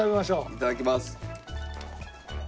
いただきます。